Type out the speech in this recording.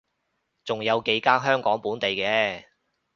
仲有幾間香港本地嘅